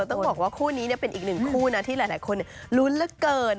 ต้องบอกว่าคู่นี้เป็นอีกหนึ่งคู่นะที่หลายคนลุ้นเหลือเกิน